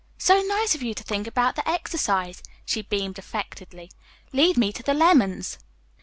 "So nice of you to think about the exercise," she beamed affectedly. "Lead me to the lemons."